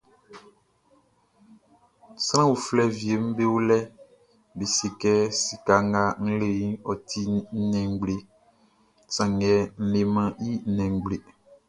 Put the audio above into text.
Sran uflɛ wieʼm be o lɛʼn, be se kɛ sika nga n le iʼn, ɔ ti nnɛn ngble, sanngɛ n lemɛn i nnɛn ngble.